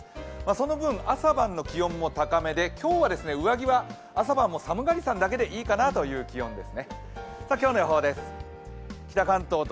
その文、朝晩も気温も高めで今日は上着は朝晩も寒がりさんだけでいいかなという気温です。